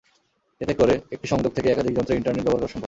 এতে করে একটি সংযোগ থেকেই একাধিক যন্ত্রে ইন্টারনেট ব্যবহার করা সম্ভব।